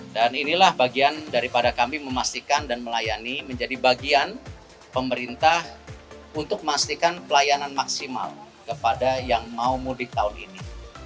dan inilah bagian daripada kami memastikan dan melayani menjadi bagian pemerintah untuk memastikan pelayanan maksimal kepada yang mau mudik tahun ini